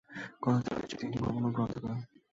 কলেজে রয়েছে তিনটি ভবন ও গ্রন্থাগার।